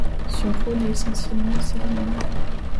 Son rôle est essentiellement cérémoniel.